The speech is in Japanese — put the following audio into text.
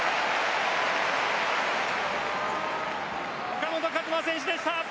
岡本和真選手でした！